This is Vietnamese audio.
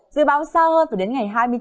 dự báo xa từ đến ngày hai mươi chín